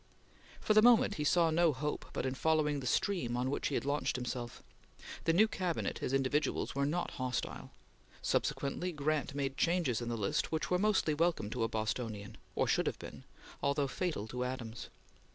For the moment, he saw no hope but in following the stream on which he had launched himself. The new Cabinet, as individuals, were not hostile. Subsequently Grant made changes in the list which were mostly welcome to a Bostonian or should have been although fatal to Adams.